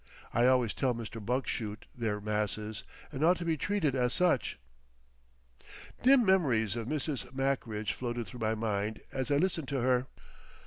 I always tell Mr. Bugshoot they're Masses, and ought to be treated as such."... Dim memories of Mrs. Mackridge floated through my mind as I listened to her....